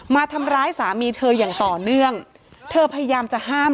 มาทำร้ายสามีเธออย่างต่อเนื่องเธอพยายามจะห้าม